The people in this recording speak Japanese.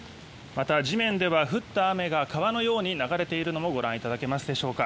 また地面では降った雨が川のように流れているのもご覧いただけますでしょうか。